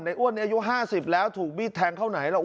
ในอ้วนอายุห้าสิบแล้วถูกบีดแทงเข้าไหนแล้ว